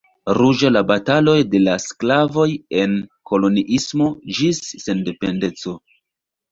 Ruĝa la bataloj de la sklavoj en koloniismo ĝis sendependeco.